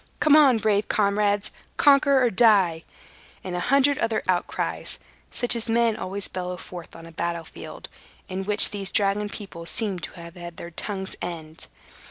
"Come on, brave comrades! Conquer or die!" and a hundred other outcries, such as men always bellow forth on a battle field, and which these dragon people seemed to have at their tongues' ends.